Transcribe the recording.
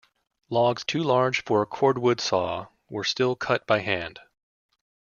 Logs too large for a cordwood saw were still cut by hand.